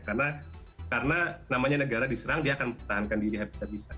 karena karena namanya negara diserang dia akan tahan diri yang bisa bisa